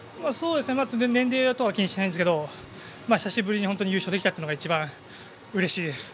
年齢とかは気にしてないんですが久しぶりに優勝できたのが一番うれしいです。